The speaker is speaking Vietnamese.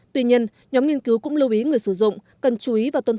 tuy nhiên nhóm nghiên cứu cũng lưu ý người sử dụng cần chú ý và tuân thủ